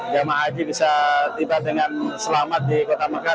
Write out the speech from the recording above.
jemaah haji bisa tiba dengan selamat di kota mekah